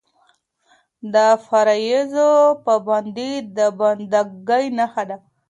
د فرایضو پابندي د بنده ګۍ نښه ده.